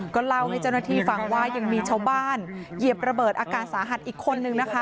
ก็เล่าให้เจ้าหน้าที่ฟังว่ายังมีชาวบ้านเหยียบระเบิดอาการสาหัสอีกคนนึงนะคะ